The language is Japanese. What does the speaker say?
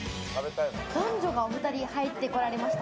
男女がお２人入ってこられました。